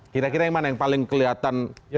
kira kira yang mana yang paling kelihatan